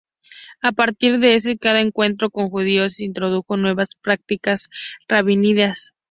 A partir de ese, cada encuentro con judíos introdujo nuevas prácticas rabínicas.